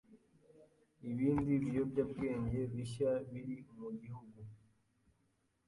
ibindi biyobyabwenge bishya biri mugihugu